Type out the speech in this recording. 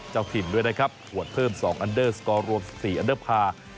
เจ้าทิมด้วยนะครับหวัดเพิ่มสองอันเดอร์สกอร์รวมสี่อันเดอร์พา